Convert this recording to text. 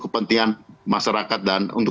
kepentingan masyarakat dan untuk